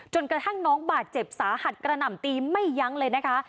กระทั่งน้องบาดเจ็บสาหัสกระหน่ำตีไม่ยั้งเลยนะคะ